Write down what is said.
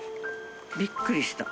びっくりした。